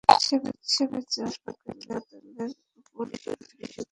সেবার চমেক হাসপাতালের অপর দুই চিকিৎসকের বিরুদ্ধে চিকিৎসায় অবহেলার অভিযোগে মামলা হয়েছিল।